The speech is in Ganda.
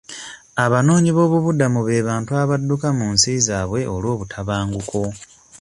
Abanoonyi b'obubuddamu be bantu abadduka mu nsi zaabwe olw'obutabanguko.